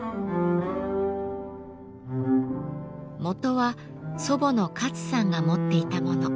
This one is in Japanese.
もとは祖母のカツさんが持っていたもの。